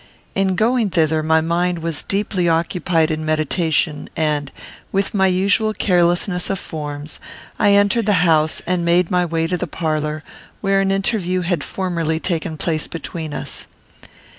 In going thither my mind was deeply occupied in meditation; and, with my usual carelessness of forms, I entered the house and made my way to the parlour, where an interview had formerly taken place between us.